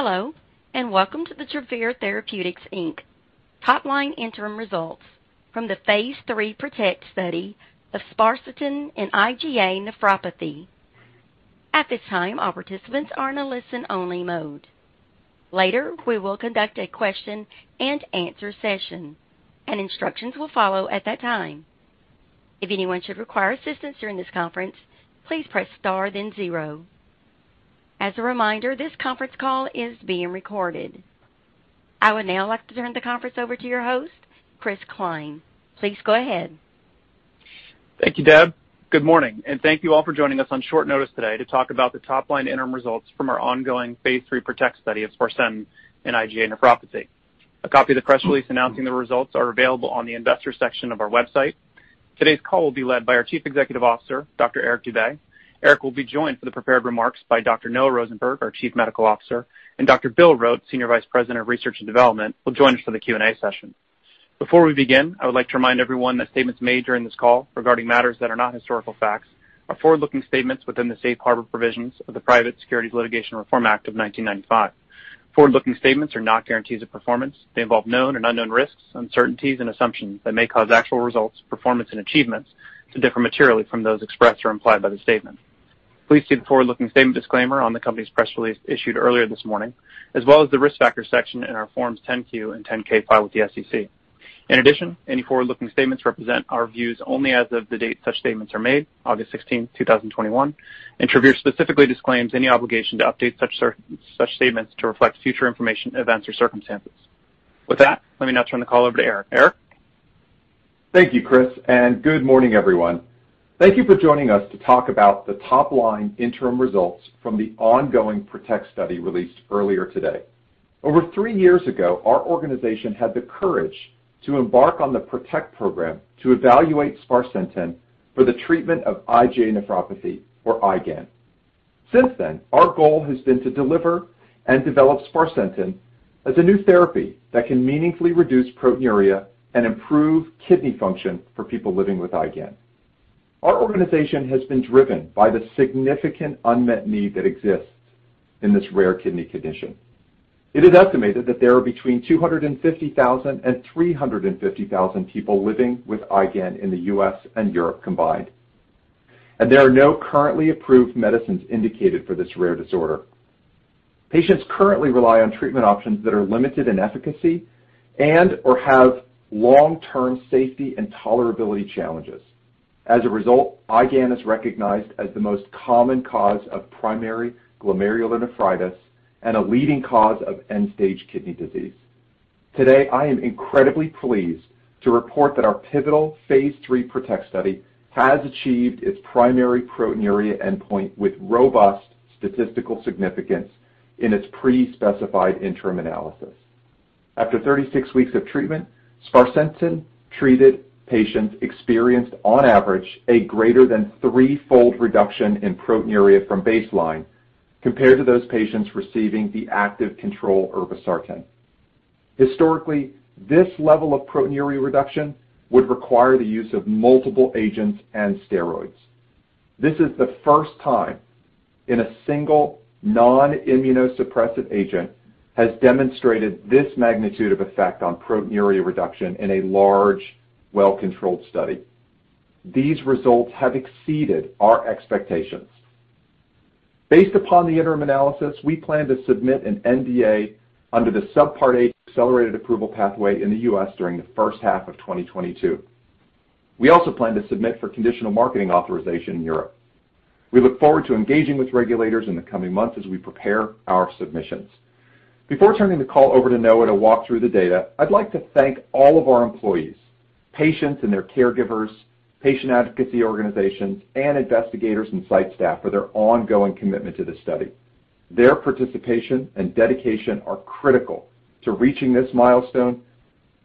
Hello, welcome to the Travere Therapeutics Inc. top-line interim results from the phase III PROTECT study of sparsentan and IgA nephropathy. At this time, all participants are in a listen-only mode. Later, we will conduct a question and answer session, instructions will follow at that time. If anyone should require assistance during this conference, please press star then zero. As a reminder, this conference call is being recorded. I would now like to turn the conference over to your host, Chris Cline. Please go ahead. Thank you, Deb. Good morning, thank you all for joining us on short notice today to talk about the top-line interim results from our ongoing phase III PROTECT study of sparsentan and IgA nephropathy. A copy of the press release announcing the results are available on the investors section of our website. Today's call will be led by our Chief Executive Officer, Dr. Eric Dube. Eric will be joined for the prepared remarks by Dr. Noah Rosenberg, our Chief Medical Officer, and Dr. William Rote, Senior Vice President of Research and Development, will join us for the Q&A session. Before we begin, I would like to remind everyone that statements made during this call regarding matters that are not historical facts are forward-looking statements within the safe harbor provisions of the Private Securities Litigation Reform Act of 1995. Forward-looking statements are not guarantees of performance. They involve known and unknown risks, uncertainties, and assumptions that may cause actual results, performance, and achievements to differ materially from those expressed or implied by the statement. Please see the forward-looking statement disclaimer on the company's press release issued earlier this morning, as well as the Risk Factors section in our Forms 10-Q and 10-K filed with the SEC. In addition, any forward-looking statements represent our views only as of the date such statements are made, August 16th, 2021, and Travere specifically disclaims any obligation to update such statements to reflect future information, events, or circumstances. With that, let me now turn the call over to Eric. Eric? Thank you, Chris, and good morning, everyone. Thank you for joining us to talk about the top-line interim results from the ongoing PROTECT study released earlier today. Over three years ago, our organization had the courage to embark on the PROTECT program to evaluate sparsentan for the treatment of IgA nephropathy, or IgAN. Since then, our goal has been to deliver and develop sparsentan as a new therapy that can meaningfully reduce proteinuria and improve kidney function for people living with IgAN. Our organization has been driven by the significant unmet need that exists in this rare kidney condition. It is estimated that there are between 250,000 and 350,000 people living with IgAN in the U.S. and Europe combined, and there are no currently approved medicines indicated for this rare disorder. Patients currently rely on treatment options that are limited in efficacy and/or have long-term safety and tolerability challenges. As a result, IgAN is recognized as the most common cause of primary glomerulonephritis and a leading cause of end-stage kidney disease. Today, I am incredibly pleased to report that our pivotal phase III PROTECT study has achieved its primary proteinuria endpoint with robust statistical significance in its pre-specified interim analysis. After 36 weeks of treatment, sparsentan-treated patients experienced, on average, a greater than three-fold reduction in proteinuria from baseline compared to those patients receiving the active control, irbesartan. Historically, this level of proteinuria reduction would require the use of multiple agents and steroids. This is the first time a single non-immunosuppressive agent has demonstrated this magnitude of effect on proteinuria reduction in a large, well-controlled study. These results have exceeded our expectations. Based upon the interim analysis, we plan to submit an NDA under the Subpart H accelerated approval pathway in the U.S. during the first half of 2022. We also plan to submit for conditional marketing authorization in Europe. We look forward to engaging with regulators in the coming months as we prepare our submissions. Before turning the call over to Noah to walk through the data, I'd like to thank all of our employees, patients and their caregivers, patient advocacy organizations, and investigators and site staff for their ongoing commitment to this study. Their participation and dedication are critical to reaching this milestone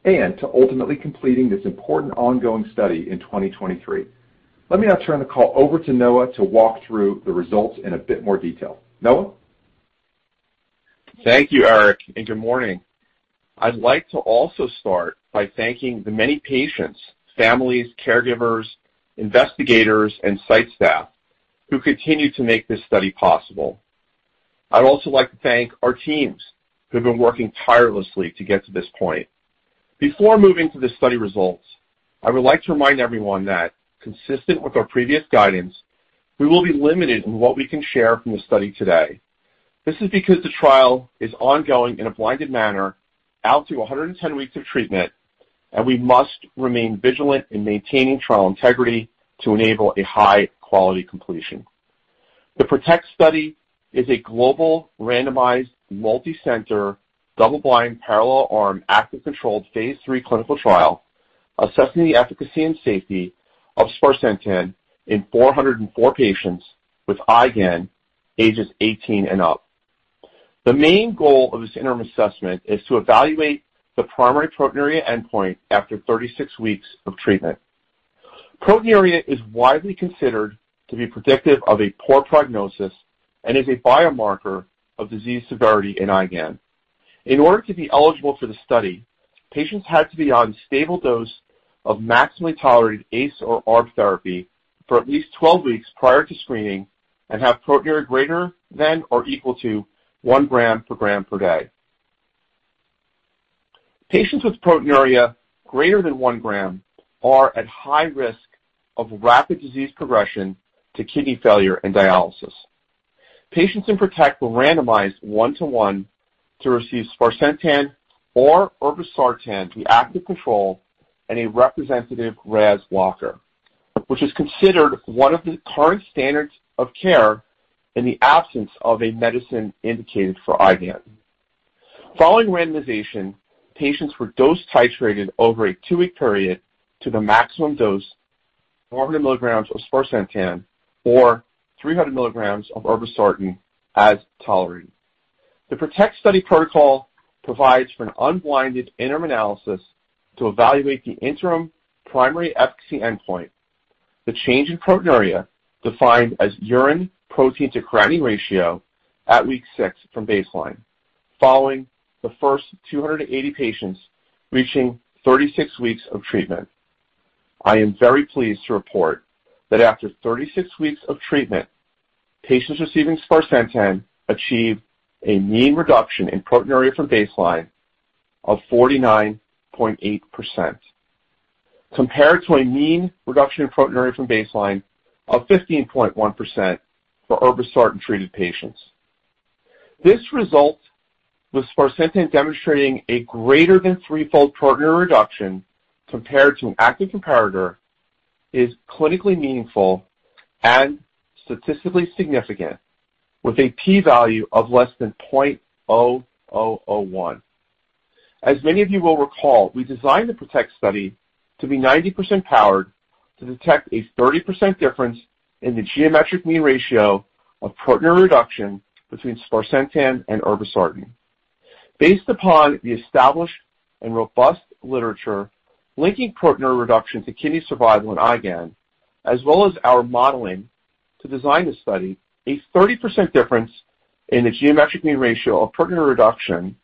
and to ultimately completing this important ongoing study in 2023. Let me now turn the call over to Noah to walk through the results in a bit more detail. Noah? Thank you, Eric. Good morning. I'd like to also start by thanking the many patients, families, caregivers, investigators, and site staff who continue to make this study possible. I'd also like to thank our teams who've been working tirelessly to get to this point. Before moving to the study results, I would like to remind everyone that consistent with our previous guidance, we will be limited in what we can share from the study today. This is because the trial is ongoing in a blinded manner out through 110 weeks of treatment. We must remain vigilant in maintaining trial integrity to enable a high-quality completion. The PROTECT study is a global, randomized, multi-center, double-blind, parallel-arm, active-controlled phase III clinical trial assessing the efficacy and safety of sparsentan in 404 patients with IgAN, ages 18 and up. The main goal of this interim assessment is to evaluate the primary proteinuria endpoint after 36 weeks of treatment. Proteinuria is widely considered to be predictive of a poor prognosis and is a biomarker of disease severity in IgAN. In order to be eligible for the study, patients had to be on a stable dose of maximally tolerated ACE or ARB therapy for at least 12 weeks prior to screening and have proteinuria greater than or equal to 1 gram per gram per day. Patients with proteinuria greater than 1 gram are at high risk of rapid disease progression to end-stage kidney disease and dialysis. Patients in PROTECT were randomized one-to-one to receive sparsentan or irbesartan to the active control and a representative RAS blocker, which is considered one of the current standards of care in the absence of a medicine indicated for IgAN. Following randomization, patients were dose-titrated over a two-week period to the maximum dose, 400 mg of sparsentan or 300 mg of irbesartan as tolerated. The PROTECT study protocol provides for an unblinded interim analysis to evaluate the interim primary efficacy endpoint, the change in proteinuria, defined as urine protein-to-creatinine ratio at week six from baseline, following the first 280 patients reaching 36 weeks of treatment. I am very pleased to report that after 36 weeks of treatment, patients receiving sparsentan achieved a mean reduction in proteinuria from baseline of 49.8%, compared to a mean reduction in proteinuria from baseline of 15.1% for irbesartan-treated patients. This result, with sparsentan demonstrating a greater than threefold proteinuria reduction compared to an active comparator, is clinically meaningful and statistically significant, with a P value of less than 0.0001. As many of you will recall, we designed the PROTECT study to be 90% powered to detect a 30% difference in the geometric mean ratio of proteinuria reduction between sparsentan and irbesartan. Based upon the established and robust literature linking proteinuria reduction to kidney survival in IgAN, as well as our modeling to design the study, a 30% difference in the geometric mean ratio of proteinuria reduction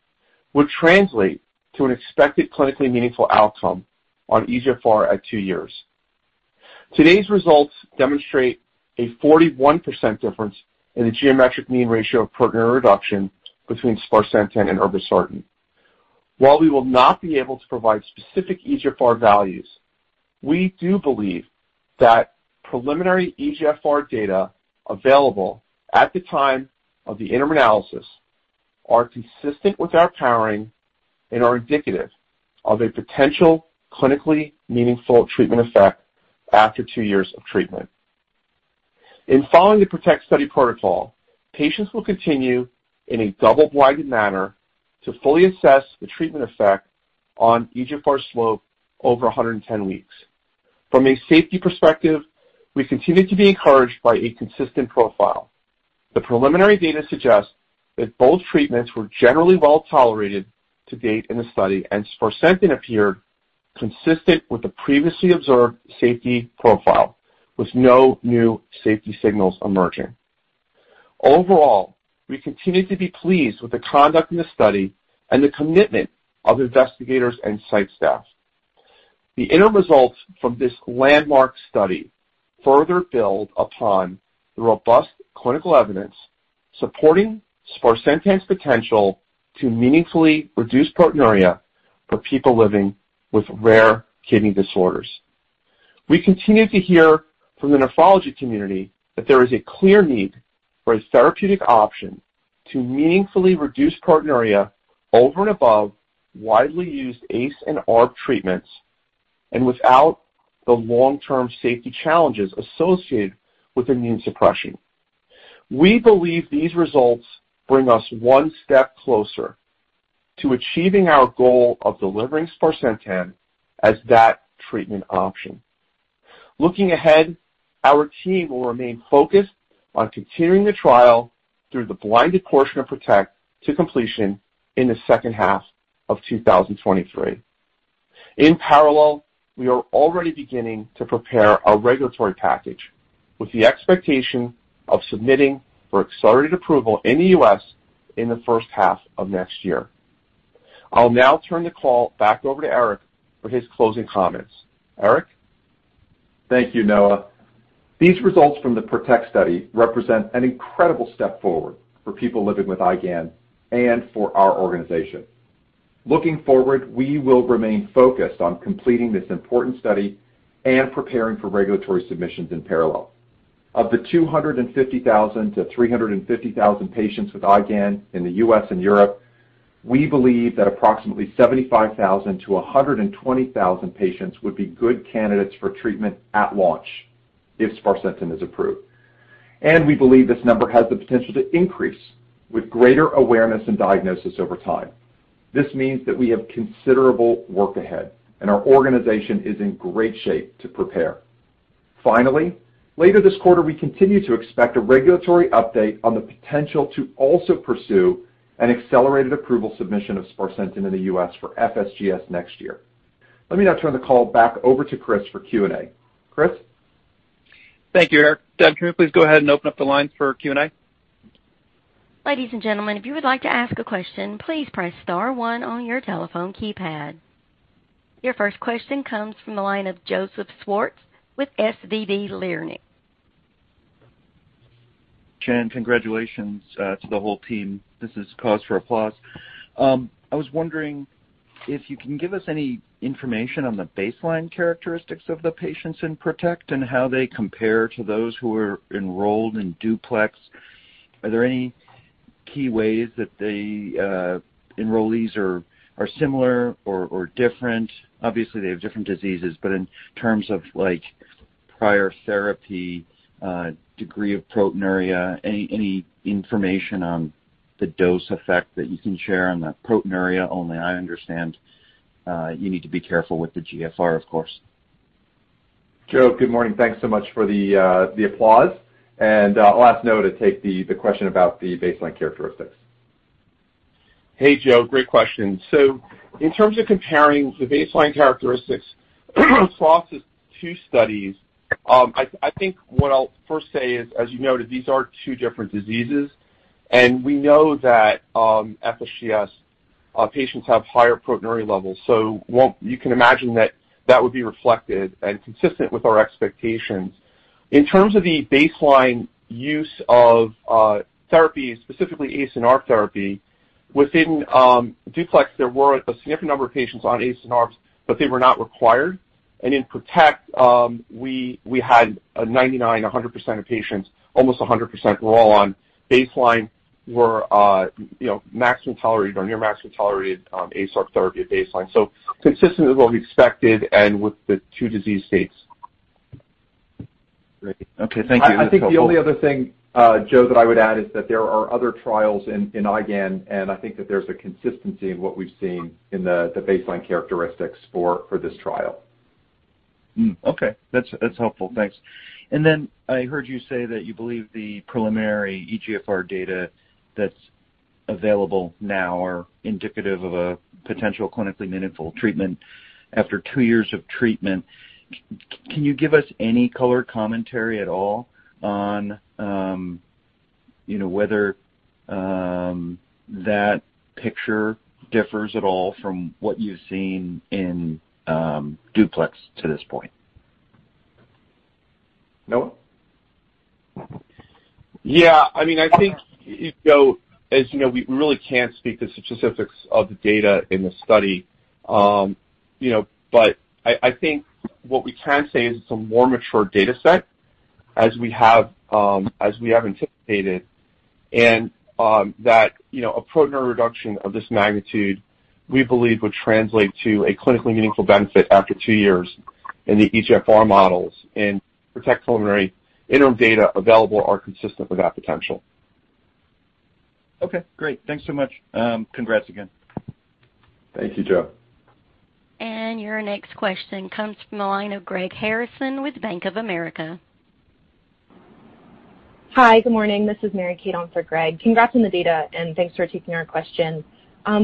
would translate to an expected clinically meaningful outcome on eGFR at two years. Today's results demonstrate a 41% difference in the geometric mean ratio of proteinuria reduction between sparsentan and irbesartan. While we will not be able to provide specific eGFR values, we do believe that preliminary eGFR data available at the time of the interim analysis are consistent with our powering and are indicative of a potential clinically meaningful treatment effect after two years of treatment. In following the PROTECT study protocol, patients will continue in a double-blinded manner to fully assess the treatment effect on eGFR slope over 110 weeks. From a safety perspective, we continue to be encouraged by a consistent profile. The preliminary data suggests that both treatments were generally well-tolerated to date in the study, and sparsentan appeared consistent with the previously observed safety profile, with no new safety signals emerging. Overall, we continue to be pleased with the conduct of the study and the commitment of investigators and site staff. The interim results from this landmark study further build upon the robust clinical evidence supporting sparsentan's potential to meaningfully reduce proteinuria for people living with rare kidney disorders. We continue to hear from the nephrology community that there is a clear need for a therapeutic option to meaningfully reduce proteinuria over and above widely used ACE and ARB treatments and without the long-term safety challenges associated with immune suppression. We believe these results bring us one step closer to achieving our goal of delivering sparsentan as that treatment option. Looking ahead, our team will remain focused on continuing the trial through the blinded portion of PROTECT to completion in the second half of 2023. In parallel, we are already beginning to prepare our regulatory package with the expectation of submitting for accelerated approval in the U.S. in the first half of next year. I'll now turn the call back over to Eric for his closing comments. Eric? Thank you, Noah. These results from the PROTECT study represent an incredible step forward for people living with IgAN and for our organization. Looking forward, we will remain focused on completing this important study and preparing for regulatory submissions in parallel. Of the 250,000-350,000 patients with IgAN in the U.S. and Europe, we believe that approximately 75,000-120,000 patients would be good candidates for treatment at launch if sparsentan is approved, and we believe this number has the potential to increase with greater awareness and diagnosis over time. This means that we have considerable work ahead, and our organization is in great shape to prepare. Later this quarter, we continue to expect a regulatory update on the potential to also pursue an accelerated approval submission of sparsentan in the U.S. for FSGS next year. Let me now turn the call back over to Chris for Q&A. Thank you, Eric. Deborah, can you please go ahead and open up the lines for Q&A? Ladies and gentlemen, if you would like to ask a question, please press star one on your telephone keypad. Your first question comes from the line of Joseph Schwartz with SVB Leerink. uncertain, congratulations to the whole team. This is cause for applause. I was wondering if you can give us any information on the baseline characteristics of the patients in PROTECT and how they compare to those who were enrolled in DUPLEX. Are there any key ways that the enrollees are similar or different? Obviously, they have different diseases, in terms of prior therapy, degree of proteinuria, any information on the dose effect that you can share on the proteinuria only? I understand you need to be careful with the GFR, of course. Joe, good morning. Thanks so much for the applause. I'll ask Noah to take the question about the baseline characteristics. Hey, Joe. Great question. In terms of comparing the baseline characteristics across the two studies, I think what I'll first say is, as you noted, these are two different diseases, and we know that FSGS patients have higher proteinuria levels. You can imagine that that would be reflected and consistent with our expectations. In terms of the baseline use of therapies, specifically ACE and ARB therapy, within DUPLEX, there were a significant number of patients on ACE and ARBs, but they were not required. In PROTECT, we had 99, 100% of patients, almost 100% were all on baseline, were maximum tolerated or near maximum tolerated ACE/ARB therapy at baseline. Consistent with what we expected and with the 2 disease states. Great. Okay. Thank you. I think the only other thing, Joe, that I would add is that there are other trials in IgAN, and I think that there's a consistency in what we've seen in the baseline characteristics for this trial. Okay. That's helpful. Thanks. I heard you say that you believe the preliminary eGFR data that's available now are indicative of a potential clinically meaningful treatment after two years of treatment. Can you give us any color commentary at all on whether that picture differs at all from what you've seen in DUPLEX to this point? Noah? Yeah. I think, as you know, we really can't speak to the specifics of the data in the study. I think what we can say is it's a more mature data set, as we have anticipated, and that a proteinuria reduction of this magnitude, we believe would translate to a clinically meaningful benefit after two years in the eGFR models and PROTECT primary interim data available are consistent with that potential. Okay, great. Thanks so much. Congrats again. Thank you, Joe. Your next question comes from the line of Greg Harrison with Bank of America. Hi. Good morning. This is Mary Kate on for Greg. Congrats on the data, and thanks for taking our question.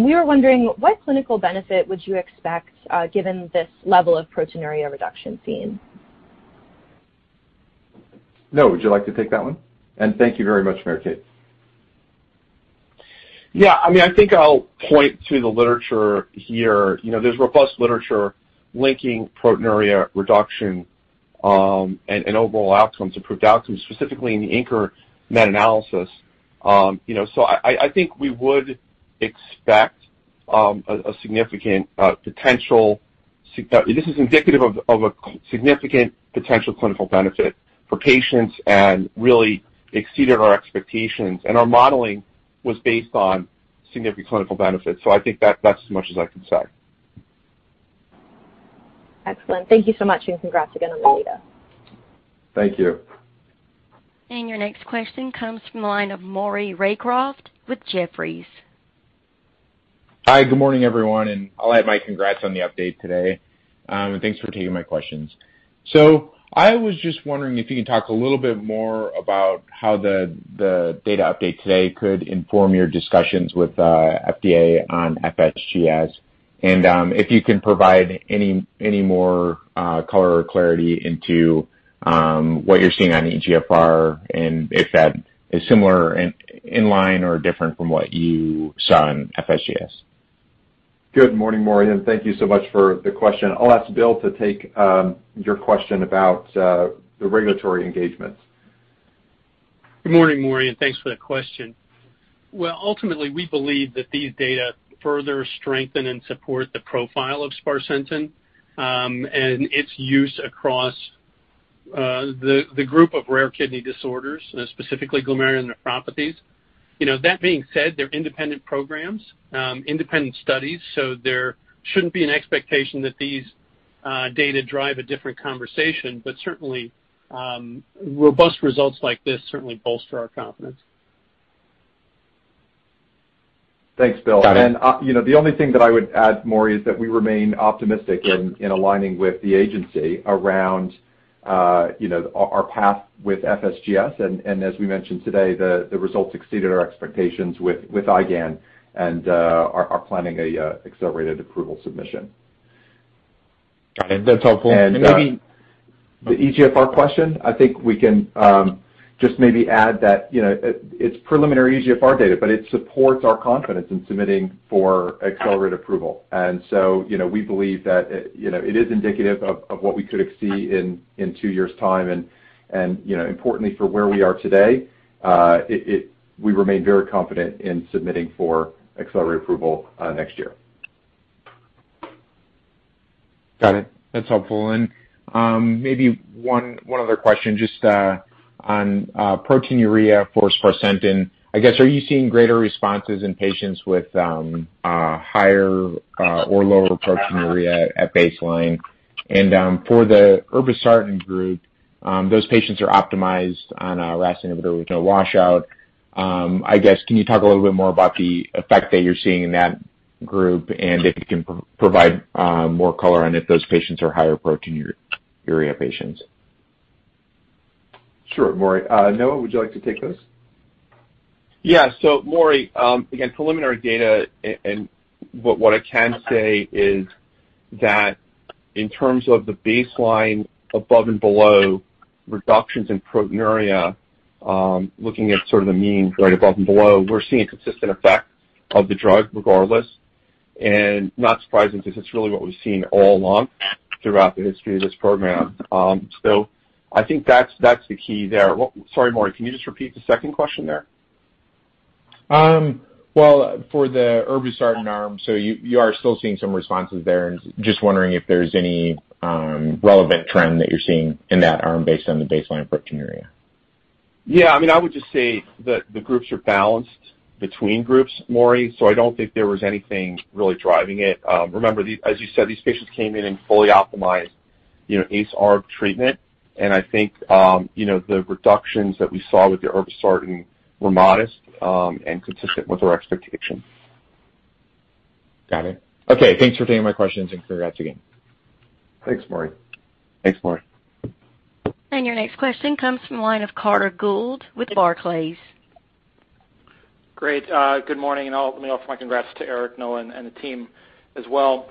We were wondering what clinical benefit would you expect given this level of proteinuria reduction seen? Noah, would you like to take that one? Thank you very much, Mary Kate. Yeah. I think I'll point to the literature here. There's robust literature linking proteinuria reduction and overall outcomes to proved outcomes, specifically in the Inker meta-analysis. I think we would expect a significant potential. This is indicative of a significant potential clinical benefit for patients and really exceeded our expectations, and our modeling was based on significant clinical benefits. I think that's as much as I can say. Excellent. Thank you so much, and congrats again on the data. Thank you. Your next question comes from the line of Maury Raycroft with Jefferies. Hi. Good morning, everyone. I'll add my congrats on the update today. Thanks for taking my questions. I was just wondering if you could talk a little bit more about how the data update today could inform your discussions with FDA on FSGS, and if you can provide any more color or clarity into what you're seeing on eGFR and if that is similar, in line, or different from what you saw in FSGS. Good morning, Maury, and thank you so much for the question. I'll ask Bill to take your question about the regulatory engagements. Good morning, Maury, and thanks for the question. Well, ultimately, we believe that these data further strengthen and support the profile of sparsentan, and its use across the group of rare kidney disorders, specifically glomerular nephropathies. That being said, they're independent programs, independent studies, so there shouldn't be an expectation that these data drive a different conversation. Certainly, robust results like this certainly bolster our confidence. Thanks, Bill. The only thing that I would add, Maury, is that we remain optimistic in aligning with the agency around our path with FSGS, and as we mentioned today, the results exceeded our expectations with IgAN and are planning an accelerated approval submission. Got it. That's helpful. Maybe the eGFR question, I think we can just maybe add that it's preliminary eGFR data, but it supports our confidence in submitting for accelerated approval. We believe that it is indicative of what we could see in two years' time, and importantly for where we are today, we remain very confident in submitting for accelerated approval next year. Got it. That's helpful. Maybe one other question just on proteinuria for sparsentan. I guess, are you seeing greater responses in patients with higher or lower proteinuria at baseline? For the irbesartan group, those patients are optimized on a RAS inhibitor with no washout. I guess, can you talk a little bit more about the effect that you're seeing in that group? If you can provide more color on if those patients are higher proteinuria patients. Sure, Maury. Noah, would you like to take those? Yeah. Maury, again, preliminary data and what I can say is that in terms of the baseline above and below reductions in proteinuria, looking at sort of the means right above and below, we're seeing a consistent effect of the drug regardless, and not surprising because it's really what we've seen all along throughout the history of this program. I think that's the key there. Sorry, Maury, can you just repeat the second question there? Well, for the irbesartan arm, so you are still seeing some responses there and just wondering if there's any relevant trend that you're seeing in that arm based on the baseline proteinuria. I would just say that the groups are balanced between groups, Maury, so I don't think there was anything really driving it. Remember, as you said, these patients came in fully optimized ACE/ARB treatment, and I think the reductions that we saw with the irbesartan were modest and consistent with our expectations. Got it. Okay. Thanks for taking my questions and congrats again. Thanks, Maury. Thanks, Maury. Your next question comes from the line of Carter Gould with Barclays. Great. Good morning, let me offer my congrats to Eric, Noah, and the team as well.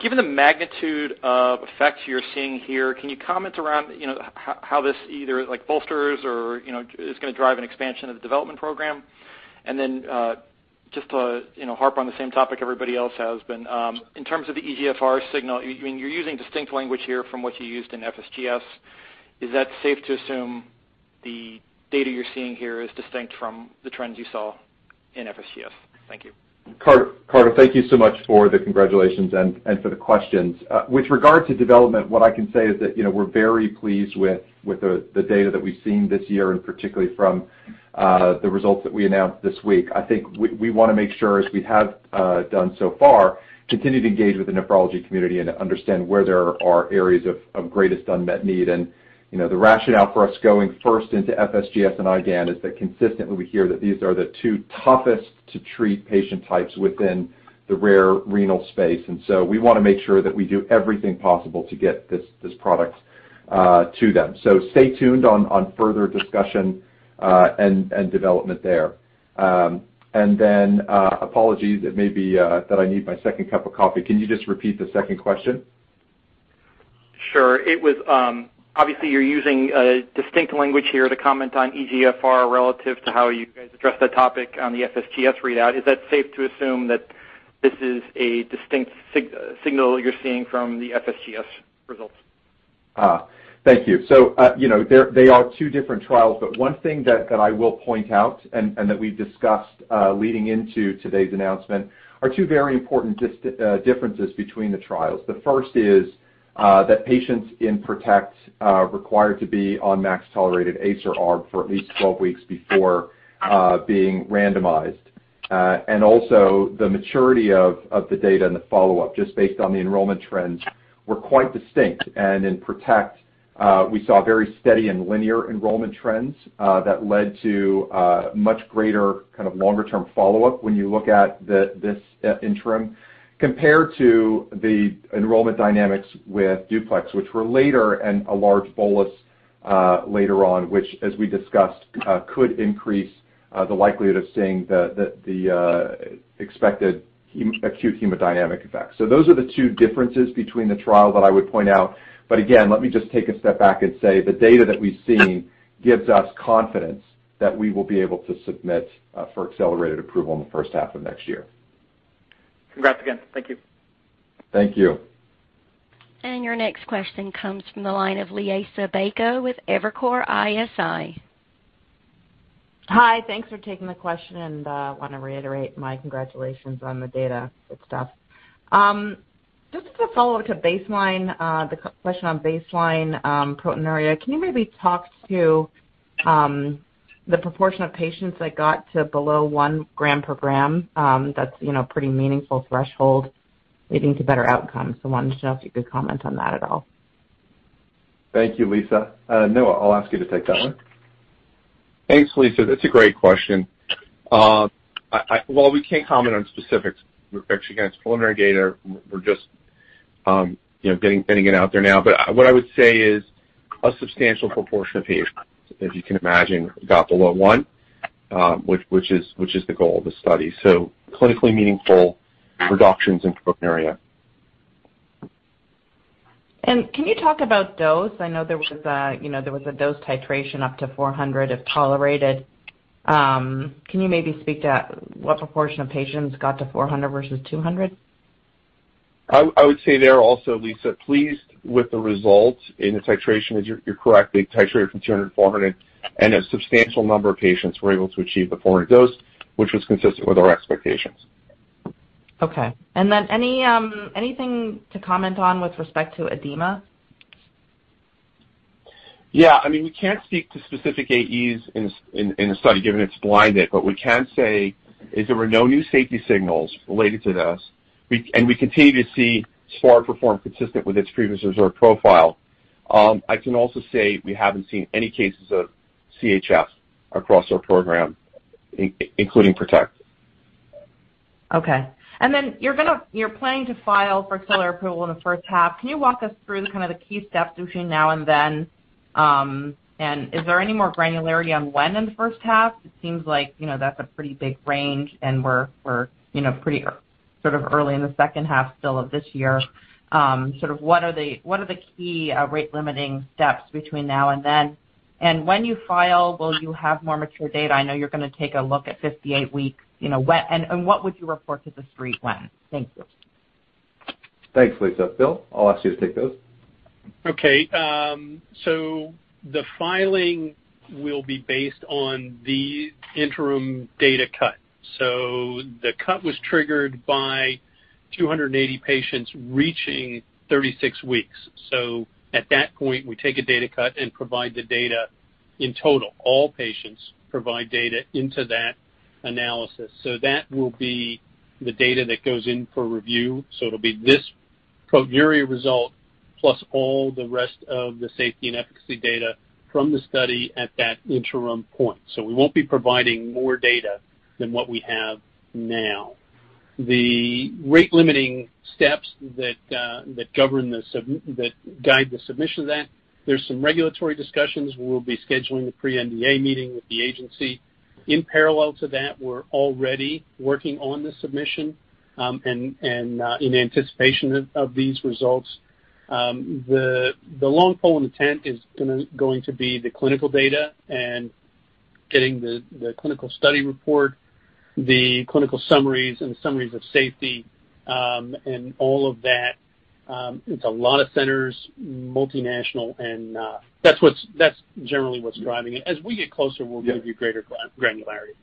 Given the magnitude of effects you're seeing here, can you comment around how this either bolsters or is going to drive an expansion of the development program? Then just to harp on the same topic everybody else has been, in terms of the eGFR signal, you're using distinct language here from what you used in FSGS. Is that safe to assume the data you're seeing here is distinct from the trends you saw in FSGS? Thank you. Carter, thank you so much for the congratulations and for the questions. With regard to development, what I can say is that we're very pleased with the data that we've seen this year, and particularly from the results that we announced this week. I think we want to make sure, as we have done so far, continue to engage with the nephrology community and understand where there are areas of greatest unmet need. The rationale for us going first into FSGS and IgAN is that consistently we hear that these are the two toughest-to-treat patient types within the rare renal space. We want to make sure that we do everything possible to get this product to them. Stay tuned on further discussion and development there. Apologies, it may be that I need my second cup of coffee. Can you just repeat the second question? Sure. Obviously you're using distinct language here to comment on eGFR relative to how you guys addressed that topic on the FSGS readout. Is that safe to assume that this is a distinct signal you're seeing from the FSGS results? Thank you. They are two different trials, but one thing that I will point out, and that we've discussed leading into today's announcement, are two very important differences between the trials. The first is that patients in PROTECT are required to be on max-tolerated ACE or ARB for at least 12 weeks before being randomized. Also, the maturity of the data and the follow-up, just based on the enrollment trends, were quite distinct. In PROTECT, we saw very steady and linear enrollment trends that led to a much greater kind of longer-term follow-up when you look at this interim compared to the enrollment dynamics with DUPLEX, which were later and a large bolus later on, which, as we discussed, could increase the likelihood of seeing the expected acute hemodynamic effect. Those are the two differences between the trials that I would point out. Again, let me just take a step back and say the data that we've seen gives us confidence that we will be able to submit for accelerated approval in the first half of next year. Congrats again. Thank you. Thank you. Your next question comes from the line of Liisa Bayko with Evercore ISI. Hi. Thanks for taking the question, I want to reiterate my congratulations on the data. Good stuff. Just as a follow-up to baseline, the question on baseline proteinuria, can you maybe talk to the proportion of patients that got to below 1 gram per gram? That's a pretty meaningful threshold leading to better outcomes. Wanted to know if you could comment on that at all. Thank you, Liisa. Noah, I'll ask you to take that one. Thanks, Liisa. That's a great question. While we can't comment on specifics, because again, it's preliminary data, we're just getting it out there now. What I would say is a substantial proportion of patients, as you can imagine, got below 1 which is the goal of the study. Clinically meaningful reductions in proteinuria. Can you talk about dose? I know there was a dose titration up to 400 mg if tolerated. Can you maybe speak to what proportion of patients got to 400 mg versus 200 mg? I would say there also, Liisa, pleased with the results in the titration, as you're correct. They titrated from 200 mg-400 mg, and a substantial number of patients were able to achieve the 400 mg dose, which was consistent with our expectations. Okay. Anything to comment on with respect to edema? Yeah. We can't speak to specific AEs in the study given it's blinded, but we can say is there were no new safety signals related to this. We continue to see sparsentan perform consistent with its previous reserved profile. I can also say we haven't seen any cases of CHF across our program, including PROTECT. Okay. You're planning to file for accelerated approval in the first half. Can you walk us through the key steps between now and then? Is there any more granularity on when in the first half? It seems like that's a pretty big range and we're pretty early in the second half still of this year. What are the key rate-limiting steps between now and then? When you file, will you have more mature data? I know you're going to take a look at 58 weeks. What would you report to the street when? Thank you. Thanks, Liisa. Bill, I'll ask you to take those. The filing will be based on the interim data cut. The cut was triggered by 280 patients reaching 36 weeks. At that point, we take a data cut and provide the data in total. All patients provide data into that analysis. That will be the data that goes in for review. It'll be this proteinuria result plus all the rest of the safety and efficacy data from the study at that interim point. We won't be providing more data than what we have now. The rate-limiting steps that guide the submission of that, there's some regulatory discussions. We'll be scheduling the pre-NDA meeting with the agency. In parallel to that, we're already working on the submission, and in anticipation of these results. The long pole in the tent is going to be the clinical data and getting the clinical study report, the clinical summaries and summaries of safety, and all of that. It's a lot of centers, multinational, and that's generally what's driving it. Yeah We'll give you greater granularity.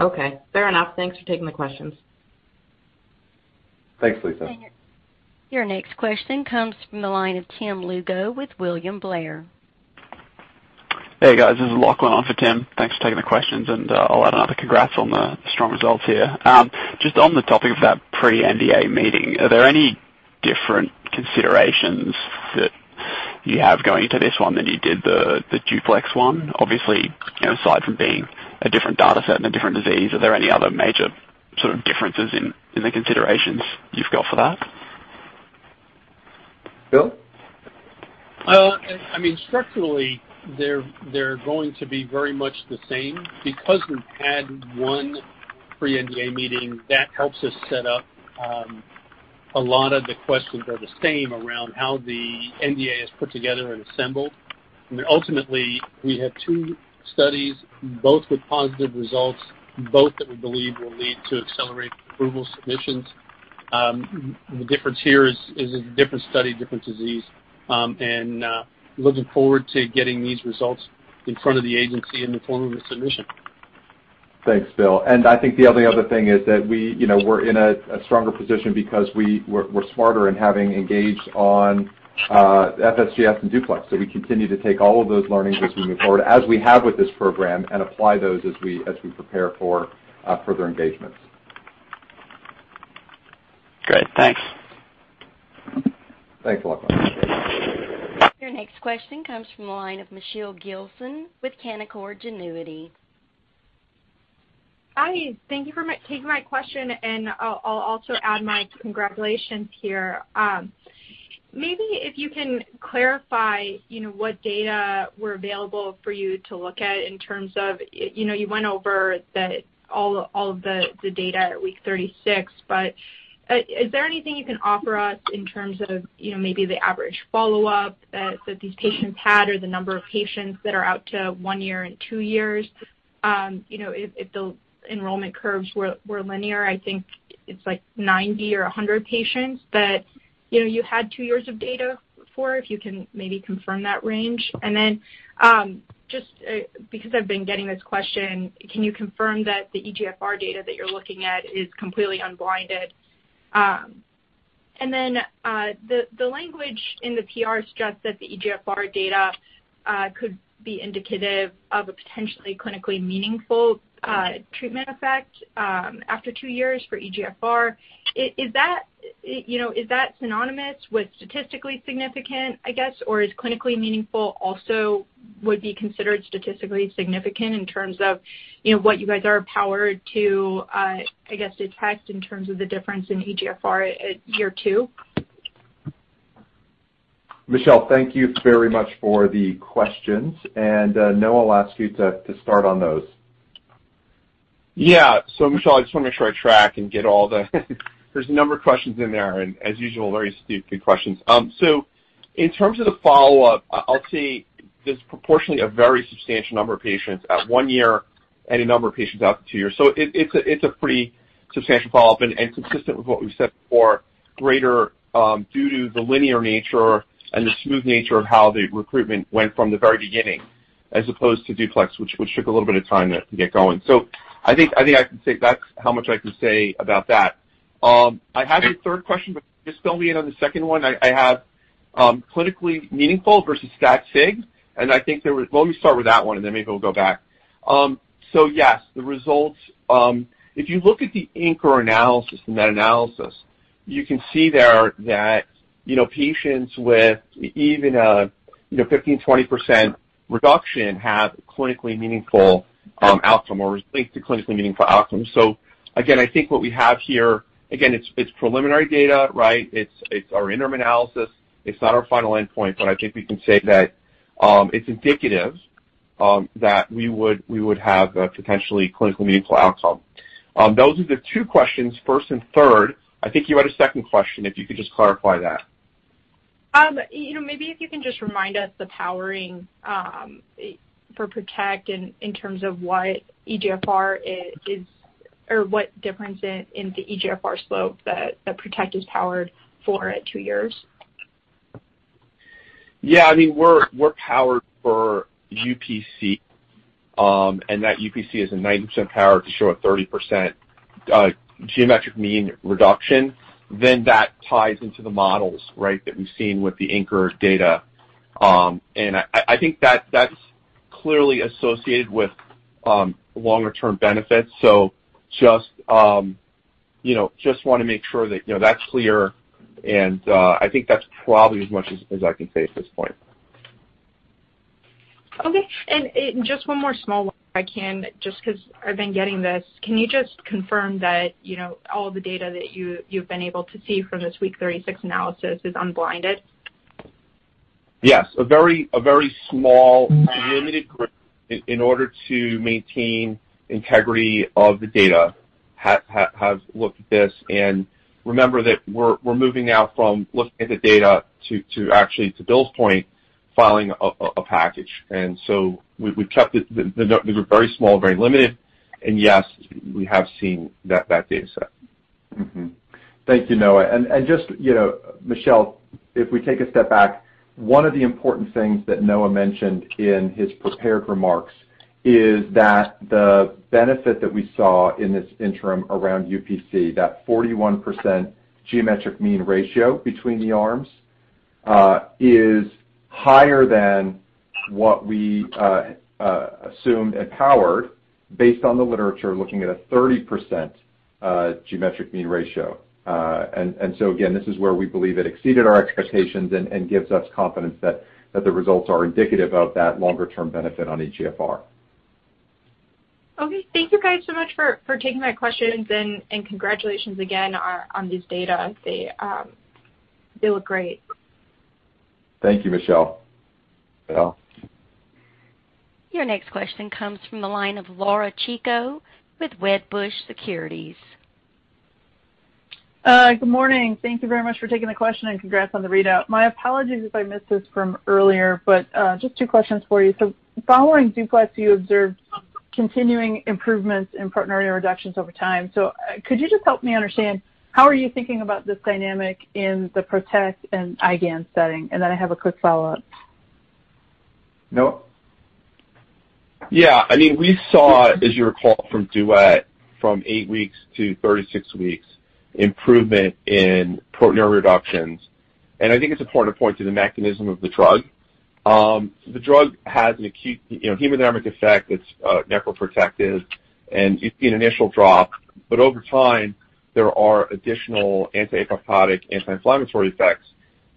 Okay. Fair enough. Thanks for taking the questions. Thanks, Liisa. Your next question comes from the line of Tim Lugo with William Blair. Hey, guys. This is Lachlan on for Tim. Thanks for taking the questions. I'll add another congrats on the strong results here. On the topic of that pre-NDA meeting, are there any different considerations that you have going into this one than you did the DUPLEX one? Aside from being a different data set and a different disease, are there any other major differences in the considerations you've got for that? Bill? Structurally, they're going to be very much the same. Because we've had one pre-NDA meeting, that helps us set up. A lot of the questions are the same around how the NDA is put together and assembled. Ultimately, we have two studies, both with positive results, both that we believe will lead to accelerated approval submissions. The difference here is it's a different study, different disease. Looking forward to getting these results in front of the agency in the form of a submission. Thanks, Bill. I think the only other thing is that we're in a stronger position because we're smarter in having engaged on FSGS and DUPLEX. We continue to take all of those learnings as we move forward, as we have with this program, and apply those as we prepare for further engagements. Great. Thanks. Thanks, Lachlan. Your next question comes from the line of Michelle Gilson with Canaccord Genuity. Hi, thank you for taking my question, and I'll also add my congratulations here. Maybe if you can clarify what data were available for you to look at in terms of, you went over all of the data at week 36, but is there anything you can offer us in terms of maybe the average follow-up that these patients had or the number of patients that are out to one year and two years? If the enrollment curves were linear, I think it's like 90 or 100 patients that you had two years of data for, if you can maybe confirm that range. Just because I've been getting this question, can you confirm that the eGFR data that you're looking at is completely unblinded? The language in the PR suggests that the eGFR data could be indicative of a potentially clinically meaningful treatment effect after two years for eGFR. Is that synonymous with statistically significant, I guess, or is clinically meaningful also would be considered statistically significant in terms of what you guys are powered to, I guess, detect in terms of the difference in eGFR at year two? Michelle, thank you very much for the questions. Noah, I'll ask you to start on those. Yeah. Michelle, I just want to make sure I track and get all the there's a number of questions in there, and as usual, very good questions. In terms of the follow-up, I'll say there's proportionally a very substantial number of patients at one year and a number of patients out to two years. It's a pretty substantial follow-up and consistent with what we've said before, greater due to the linear nature and the smooth nature of how the recruitment went from the very beginning, as opposed to DUPLEX, which took a little bit of time to get going. I think I can say that's how much I can say about that. I have your third question, but just fill me in on the second one. I have clinically meaningful versus stat sig, and I think there was. Well, let me start with that one, and then maybe we'll go back. Yes, the results, if you look at the Inker analysis, the meta-analysis, you can see there that patients with even a 15%, 20% reduction have clinically meaningful outcome or link to clinically meaningful outcome. Again, I think what we have here, again, it's preliminary data, right? It's our interim analysis. It's not our final endpoint, but I think we can say that it's indicative that we would have a potentially clinically meaningful outcome. Those are the two questions, first and third. I think you had a second question, if you could just clarify that. Maybe if you can just remind us the powering for PROTECT in terms of what eGFR is, or what difference in the eGFR slope that PROTECT is powered for at two years. Yeah. I mean, we're powered for UPCR, that UPCR is a 90% power to show a 30% geometric mean reduction. That ties into the models, right, that we've seen with the Inker data. I think that's clearly associated with longer-term benefits. Just want to make sure that that's clear, and I think that's probably as much as I can say at this point. Okay. Just one more small one if I can, just because I've been getting this. Can you just confirm that all the data that you've been able to see from this week 36 analysis is unblinded? Yes. A very small, limited group in order to maintain integrity of the data has looked at this. Remember that we're moving now from looking at the data to actually, to Bill's point, filing a package. We've kept it very small, very limited. Yes, we have seen that data set. Thank you, Noah. Michelle, if we take a step back, one of the important things that Noah mentioned in his prepared remarks is that the benefit that we saw in this interim around UPCR, that 41% geometric mean ratio between the arms, is higher than what we assumed and powered based on the literature looking at a 30% geometric mean ratio. Again, this is where we believe it exceeded our expectations and gives us confidence that the results are indicative of that longer-term benefit on eGFR. Okay. Thank you guys so much for taking my questions and congratulations again on these data. They look great. Thank you, Michelle. Your next question comes from the line of Laura Chico with Wedbush Securities. Good morning. Thank you very much for taking the question, and congrats on the readout. My apologies if I missed this from earlier, but just two questions for you. Following DUPLEX, you observed some continuing improvements in proteinuria reductions over time. Could you just help me understand how are you thinking about this dynamic in the PROTECT and IgAN setting? Then I have a quick follow-up. Noah? Yeah. I mean, we saw, as you recall, from DUET, from eight weeks to 36 weeks, improvement in proteinuria reductions. I think it's important to point to the mechanism of the drug. The drug has an acute hemodynamic effect. It's nephroprotective, and you see an initial drop. Over time, there are additional anti-apoptotic, anti-inflammatory effects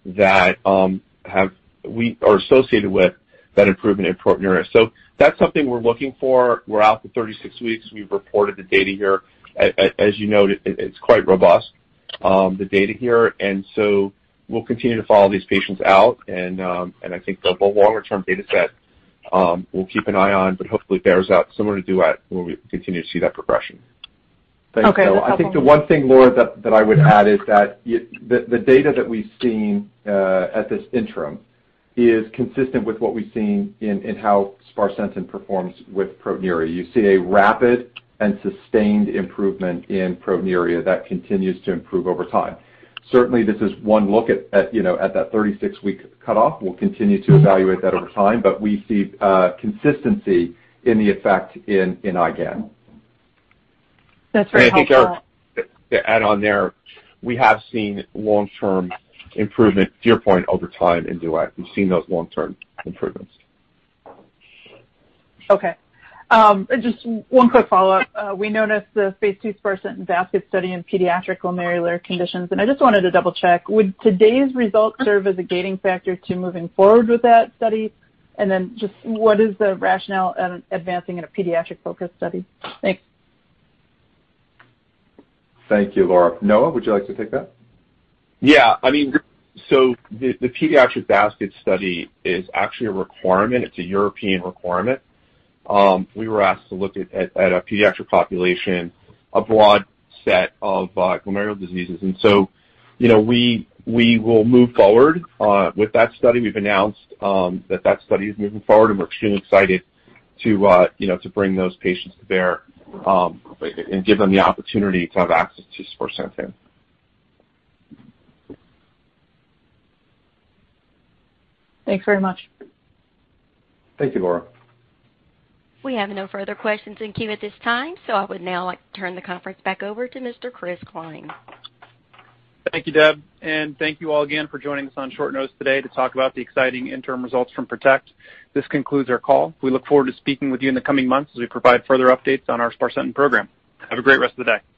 that are associated with that improvement in proteinuria. That's something we're looking for. We're out to 36 weeks. We've reported the data here. As you noted, it's quite robust, the data here. We'll continue to follow these patients out and I think the longer-term data set we'll keep an eye on, but hopefully bears out similar to DUET where we continue to see that progression. Okay. I think the one thing, Laura, that I would add is that the data that we've seen at this interim is consistent with what we've seen in how sparsentan performs with proteinuria. You see a rapid and sustained improvement in proteinuria that continues to improve over time. Certainly, this is one look at that 36-week cutoff. We'll continue to evaluate that over time, but we see consistency in the effect in IgAN. That's very helpful. To add on there, we have seen long-term improvement, to your point, over time in DUET. We've seen those long-term improvements. Okay. Just one quick follow-up. We noticed the phase II sparsentan basket study in pediatric glomerular conditions, and I just wanted to double-check. Would today's results serve as a gating factor to moving forward with that study? Just what is the rationale in advancing in a pediatric-focused study? Thanks. Thank you, Laura. Noah, would you like to take that? Yeah. The pediatric basket study is actually a requirement. It's a European requirement. We were asked to look at a pediatric population, a broad set of glomerular diseases. We will move forward with that study. We've announced that study is moving forward, and we're extremely excited to bring those patients there and give them the opportunity to have access to sparsentan. Thanks very much. Thank you, Laura. We have no further questions in queue at this time. I would now like to turn the conference back over to Mr. Chris Cline. Thank you, Deb. Thank you all again for joining us on short notice today to talk about the exciting interim results from PROTECT. This concludes our call. We look forward to speaking with you in the coming months as we provide further updates on our sparsentan program. Have a great rest of the day.